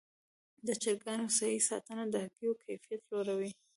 د چرګانو صحي ساتنه د هګیو کیفیت لوړوي.